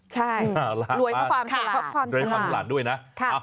ใช่รวยเพื่อความรวยความฉลาดด้วยนะ